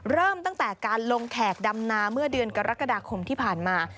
เริ่มตั้งแต่การลงแขกดำนาเมื่อเดือนกรกฎาคมที่ผ่านมา